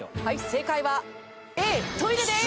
正解はＡトイレです。